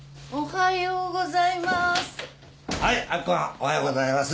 おはようございます。